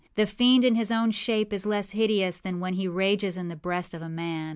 The fiend in his own shape is less hideous than when he rages in the breast of man.